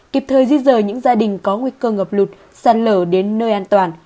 kịp thời di rời những gia đình có nguy cơ ngập lụt sạt lở đến nơi an toàn